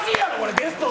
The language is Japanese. ゲストが。